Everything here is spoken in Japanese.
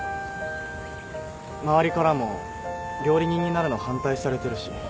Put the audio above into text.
周りからも料理人になるの反対されてるし。